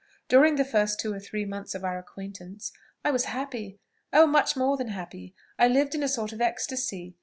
During the first two or three months of our acquaintance, I was happy oh! much more than happy; I lived in a sort of ecstasy.